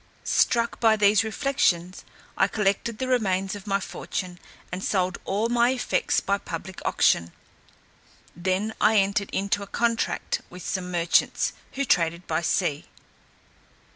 Struck with these reflections, I collected the remains of my fortune, and sold all my effects by public auction. I then entered into a contract with some merchants, who traded by sea.